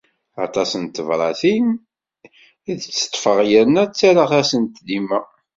Aṭas n tebratin i d-tteṭṭfeɣ yerna ttarraɣ-asent dima.